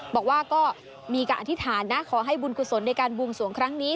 บอกว่าก็มีการอธิษฐานนะขอให้บุญกุศลในการบวงสวงครั้งนี้